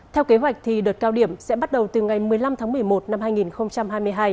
theo kế hoạch đợt cao điểm sẽ bắt đầu từ ngày một mươi năm tháng một mươi một năm hai nghìn hai mươi hai